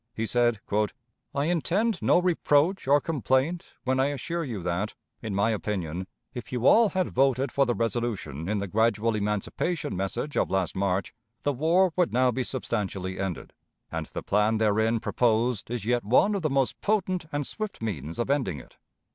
He said: "I intend no reproach or complaint when I assure you that, in my opinion, if you all had voted for the resolution in the gradual emancipation message of last March, the war would now be substantially ended. And the plan therein proposed is yet one of the most potent and swift means of ending it.